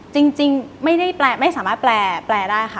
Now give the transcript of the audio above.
จริงไม่ได้แปลไม่สามารถแปลแปลได้ค่ะ